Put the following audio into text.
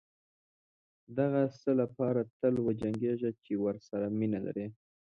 دهغه څه لپاره تل وجنګېږئ چې ورسره مینه لرئ.